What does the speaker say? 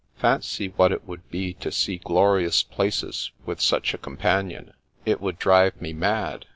Fancy what it would be to see glorious places with such a companion ! It would drive me mad.